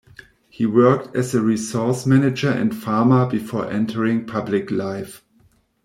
He worked as a resource manager and farmer before entering public life.